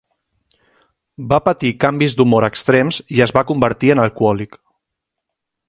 Va patir canvis d'humor extrems i es va convertir en alcohòlic.